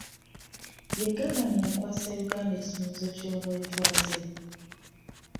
Ye Gavana eyakwasa Uganda ekisumuluzo ky'obwetwaze.